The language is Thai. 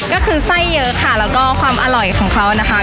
ก็คือไส้เยอะค่ะแล้วก็ความอร่อยของเขานะคะ